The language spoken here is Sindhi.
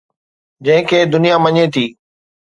جنهن کي دنيا مڃي ٿي.